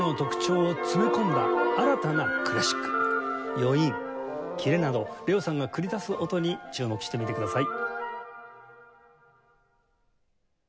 余韻キレなどＬＥＯさんが繰り出す音に注目してみてください。